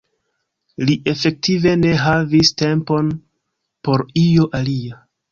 Li efektive ne havis tempon por io alia.